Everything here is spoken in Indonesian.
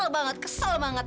banget kesel banget